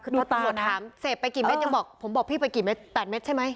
คือตำรวจถามเสพไปกี่เม็ดยังบอกผมบอกพี่ไปกี่เม็ด๘เม็ดใช่ไหม